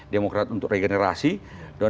demokrat untuk regenerasi dan